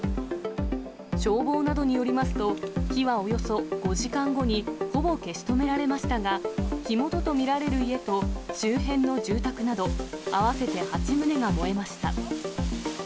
消防などによりますと、火はおよそ５時間後にほぼ消し止められましたが、火元と見られる家と周辺の住宅など、合わせて８棟が燃えました。